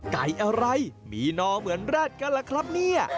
ไก่อะไรมีนอเหมือนแร็ดกันล่ะครับเนี่ย